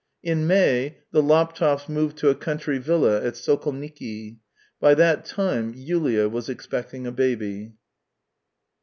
In May the Laptevs moved to a country villa at Sokolniki. By that time Yulia was expecting a baby.